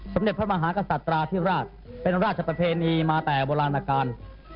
เด็จพระมหากษัตราธิราชเป็นราชประเพณีมาแต่โบราณการ